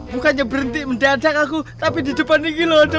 logo berintilang ada apakah